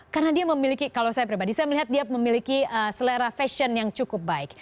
karena dia memiliki kalau saya pribadi saya melihat dia memiliki selera fashion yang cukup baik